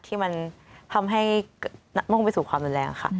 ที่มันทำให้มุ่งไปสู่ความรุนแรงค่ะ